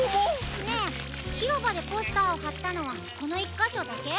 ねえひろばでポスターをはったのはこのいっかしょだけ？